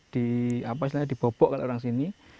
di apa istilahnya dibobok kalau orang sini